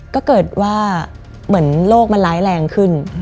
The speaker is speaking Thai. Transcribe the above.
ก็เกิดว่าเหมือนโรคมันร้ายแรงขึ้น